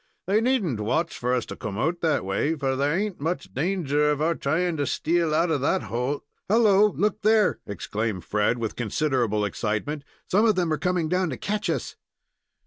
They need n't watch for us to come out that way, for there ain't much danger of our trying to steal out of that hole " "Holloa! Look there!" exclaimed Fred, in considerable excitement; "some of them are coming down to catch us."